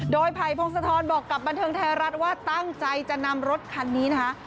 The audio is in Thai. โดยไผ่พงศธรบอกกับบันเทิงไทยรัฐว่าตั้งใจจะนำรถคันนี้นะคะ